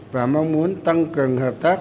và mong muốn tăng cường hợp tác